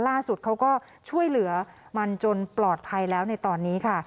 เขาก็ช่วยเหลือมันจนปลอดภัยแล้วในตอนนี้ค่ะ